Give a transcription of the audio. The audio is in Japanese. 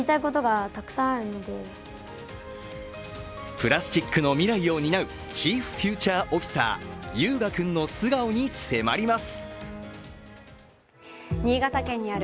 プラスチックの未来を担うチーフ・フューチャー・オフィサー、悠雅君の素顔に迫ります。